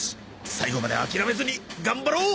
最後まで諦めずに頑張ろう！